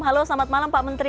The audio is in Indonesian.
halo selamat malam pak menteri